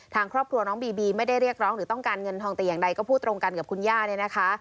ทางครอบครัวน้องบีบีไม่ได้เรียกร้องหรือต้องการเงินทองแต่อย่างใดก็พูดตรงกันกับคุณย่าเนี่ยนะคะ